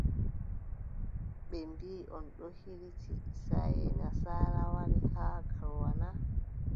Ɓe mbiʼi on ɗo hiriti saaye nasaara, wari haa Garoua na ?